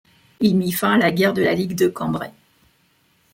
Il mit fin à la guerre de la Ligue de Cambrai.